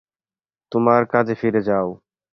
তোমার কাজে ফিরে যাও।